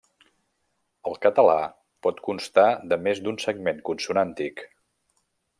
El català pot constar de més d'un segment consonàntic.